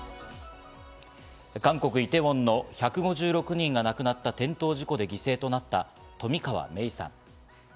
韓国イテウォンの１５６人が亡くなった転倒事故で犠牲となった冨川芽生さん。